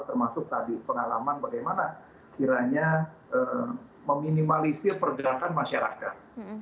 termasuk tadi pengalaman bagaimana kiranya meminimalisir pergerakan masyarakat